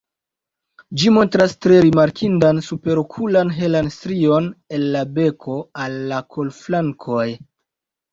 Ĝi montras tre rimarkindan superokulan helan strion el la beko al la kolflankoj.